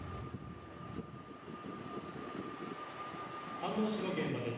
飯能市の現場です。